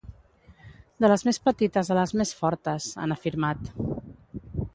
De les més petites a les més fortes, han afirmat.